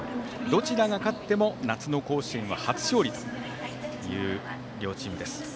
どちらが勝っても夏の甲子園は初勝利という両チームです。